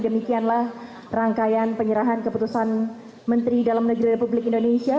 demikianlah rangkaian penyerahan keputusan menteri dalam negeri republik indonesia